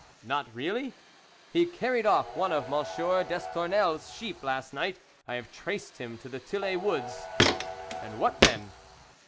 [< Not really ?"" He carried off one of M. Destour nelles' sheep last night, I have traced him to the Tillet woods." " And what then